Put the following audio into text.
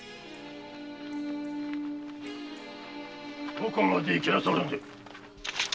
どこまで行きなさるんで？